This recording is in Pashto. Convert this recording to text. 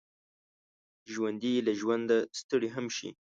ژوندي له ژونده ستړي هم شي